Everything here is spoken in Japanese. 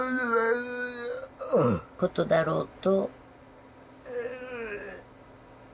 「ことだろうと」